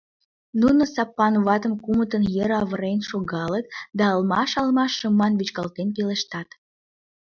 Нуно Сапан ватым кумытын йыр авырен шогалыт да алмаш-алмаш шыман вӱчкалтен пелештат: